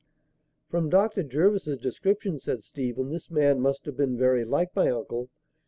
"From Dr. Jervis's description," said Stephen, "this man must have been very like my uncle.